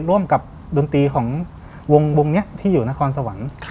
ร่วมกับดนตรีของวงนี้ที่อยู่นครสวรรค์